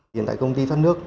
hiện tại công ty thoát nước